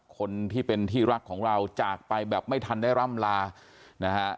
คนที่เป็นที่รักของเราจากไปแบบไม่ทันได้ร่ำลานะฮะ